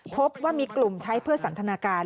พบว่ามีกลุ่มใช้เพื่อสันทนาการ